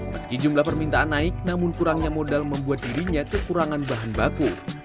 meski jumlah permintaan naik namun kurangnya modal membuat dirinya kekurangan bahan baku